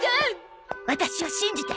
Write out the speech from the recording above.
ワタシを信じて！